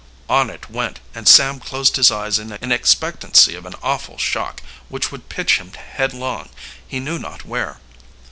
On it went, and Sam closed his eyes in expectancy of an awful shock which would pitch him headlong, he knew not to where.